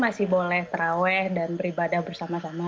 masih boleh terawih dan beribadah bersama sama